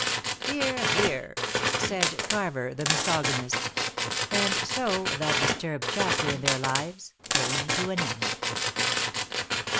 "Hear, hear!" said Carver the misogamist. And so that disturbed chapter in their lives came to an end.